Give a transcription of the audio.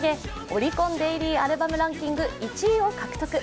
オリコンデイリーアルバムランキング１位を獲得。